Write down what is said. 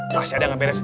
masih ada yang gak beres